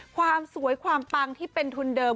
ความสวยความปังที่เป็นทุนเดิม